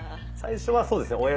最初はそうですね